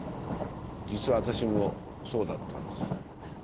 実は私もそうだったんです。